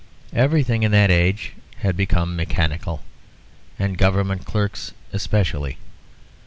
Everything in that age had become mechanical, and Government clerks especially.